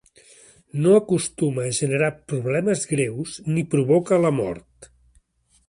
No acostuma a generar problemes greus ni provoca la mort.